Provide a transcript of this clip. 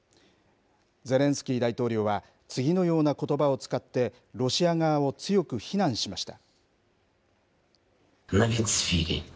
ゼレンスキー大統領は、次のようなことばを使って、ロシア側を強く非難しました。